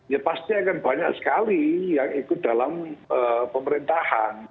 ya pasti akan banyak sekali yang ikut dalam pemerintahan